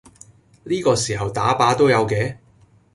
呢個時候打靶都有嘅？